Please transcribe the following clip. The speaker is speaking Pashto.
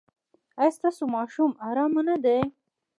ایا ستاسو ماښام ارام نه دی؟